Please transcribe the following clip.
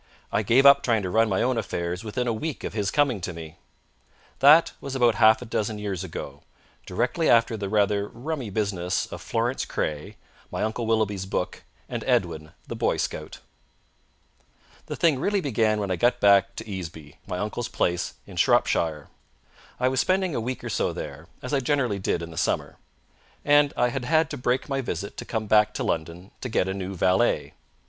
I gave up trying to run my own affairs within a week of his coming to me. That was about half a dozen years ago, directly after the rather rummy business of Florence Craye, my Uncle Willoughby's book, and Edwin, the Boy Scout. The thing really began when I got back to Easeby, my uncle's place in Shropshire. I was spending a week or so there, as I generally did in the summer; and I had had to break my visit to come back to London to get a new valet.